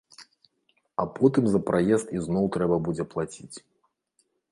А потым за праезд ізноў трэба будзе плаціць.